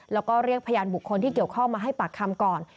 แล้วก็เรียกพยานบุคคลที่เกี่ยวข้องมาให้ปากคำก่อน